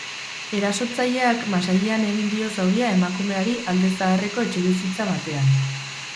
Erasotzaileak masailean egin dio zauria emakumeari alde zaharreko etxebizitza batean.